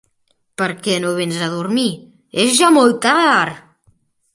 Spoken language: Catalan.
Per què no vens a dormir? És ja molt tard!